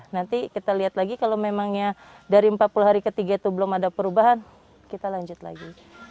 nanti kita lihat lagi kalau memangnya dari empat puluh hari ketiga itu belum ada perubahan kita lanjut lagi